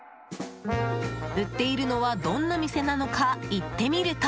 売っているのはどんな店なのか行ってみると。